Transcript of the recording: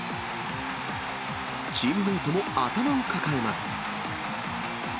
チームメートも頭を抱えます。